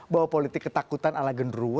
bahwa politik ketakutan ala genruwo